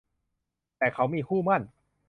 แต่เขามีคู่หมั้น